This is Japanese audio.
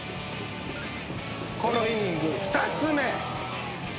このイニング２つ目。